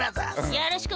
よろしく！